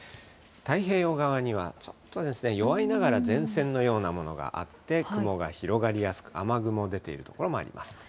太平洋側にはちょっと弱いながら前線のようなものがあって、雲が広がりやすく、雨雲出ている所もあります。